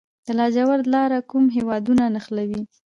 د لاجوردو لاره کوم هیوادونه نښلوي؟